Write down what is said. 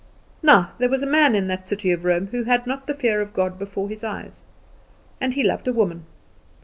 Now, there was a man in that city of Rome who had not the fear of God before his eyes, and he loved a woman.